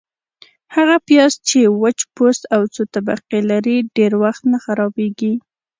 - هغه پیاز چي وچ پوست او څو طبقې لري، ډېر وخت نه خرابیږي.